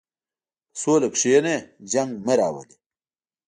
په سوله کښېنه، جنګ نه راوله.